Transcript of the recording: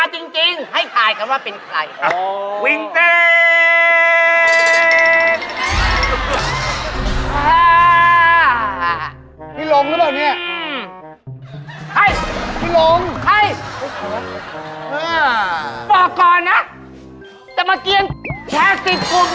ตรงก็ตรงปัตตรค